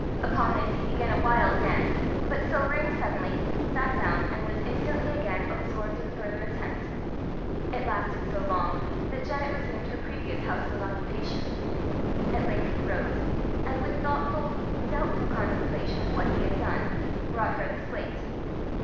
Upon this he began a wild dance, but sobering suddenly, sat down, and was instantly again absorbed in further attempt. It lasted so long that Janet resumed her previous household occupation. At length he rose, and with thoughtful, doubtful contemplation of what he had done, brought her the slate.